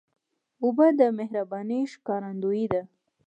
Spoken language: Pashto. اوبه د مهربانۍ ښکارندویي ده.